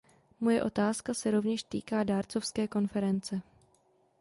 Moje otázka se rovněž týká dárcovské konference.